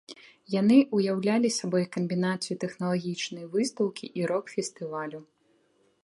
Яны ўяўлялі сабой камбінацыю тэхналагічнай выстаўкі і рок-фестывалю.